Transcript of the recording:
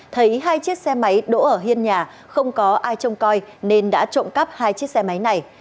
thấy hai chiếc xe máy đỗ ở hiên nhà không có ai trông coi nên đã trộm cắp hai chiếc xe máy này